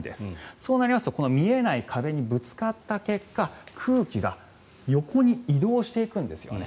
そうなりますと見えない壁にぶつかった結果空気が横に移動していくんですよね。